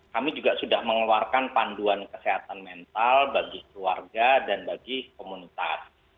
kami juga sudah mengeluarkan panduan kesehatan mental bagi keluarga dan bagi komunitas